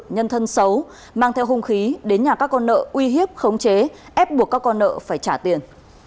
nhân thân xấu mang theo hung khí đến nhà các con nợ uy hiếp khống chế ép buộc các con nợ phải trả tiền